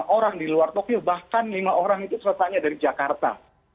delapan orang di luar tokyo bahkan lima orang itu selesainya dari jakarta